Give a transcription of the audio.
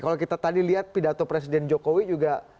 kalau kita tadi lihat pidato presiden jokowi juga